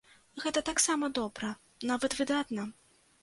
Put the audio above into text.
Гэта таксама добра, нават выдатна!